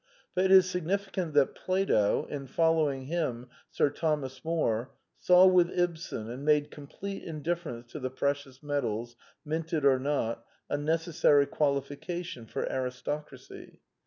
But it is significant that Plato, and, following him. Sir Thomas More, saw with Ibsen, and made complete indifference to the precious metals, minted or not, a necessary qualification for aristocracy.